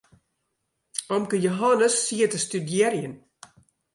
Omke Jehannes siet te studearjen.